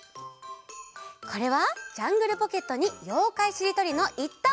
これは「ジャングルポケット」に「ようかいしりとり」のいったんもめんだよ！